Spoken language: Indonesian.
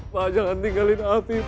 pak jangan tinggalin amir pak